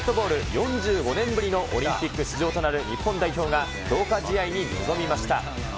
４５年ぶりのオリンピック出場となる日本代表が、強化試合に臨みました。